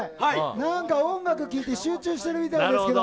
なんか音楽を聴いて集中してるみたいですけど。